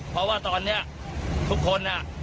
เพราะว่าตอนนี้ทุกคนน่ะ